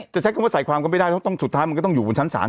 ใช้คำว่าใส่ความก็ไม่ได้เพราะต้องสุดท้ายมันก็ต้องอยู่บนชั้นศาล